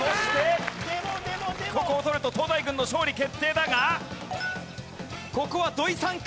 ここを取ると東大軍の勝利決定だがここは土居さんか？